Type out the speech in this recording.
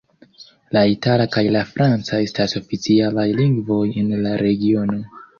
La itala kaj la franca estas oficialaj lingvoj en la regiono.